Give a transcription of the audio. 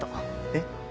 えっ？